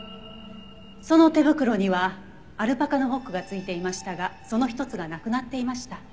その手袋にはアルパカのホックが付いていましたがその１つがなくなっていました。